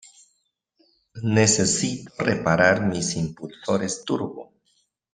Necesito reparar mis impulsores turbo.